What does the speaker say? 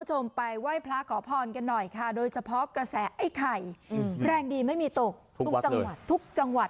ชมไปไหว้พระขอพรกันหน่อยค่ะโดยเฉพาะกระแสให้ไข่แรงดีไม่มีตกทุกวัด